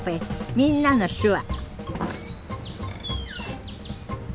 「みんなの手話」